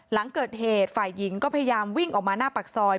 หลังเกิดเหตุฝ่ายหญิงก็พยายามวิ่งออกมาหน้าปากซอย